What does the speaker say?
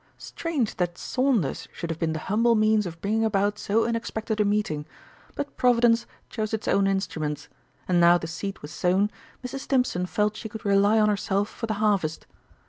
Strange that Saunders should have been the humble means of bringing about so unexpected a meeting, but Providence chose its own instruments, and now the seed was sown, Mrs. Stimpson felt she could rely on herself for the harvest.